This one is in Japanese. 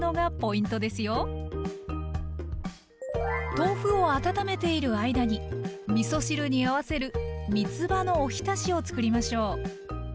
豆腐を温めている間にみそ汁に合わせるみつばのおひたしをつくりましょう。